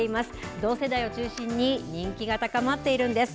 同世代を中心に人気が高まっているんです。